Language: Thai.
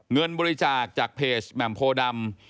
เงินบริจาคจากเพจแหม่มโพดำ